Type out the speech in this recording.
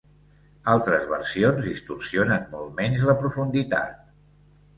Altres versions distorsionen molt menys la profunditat.